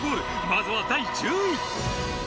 まずは第１０位。